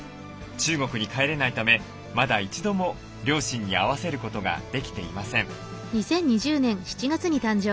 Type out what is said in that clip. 中国に帰れないためまだ一度も両親に会わせることができていません。